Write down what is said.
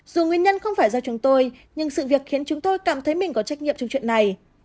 dù nguyên nhân không phải do chúng tôi nhưng sự việc khiến chúng tôi cảm thấy mình có trách nhiệm trong chuyện này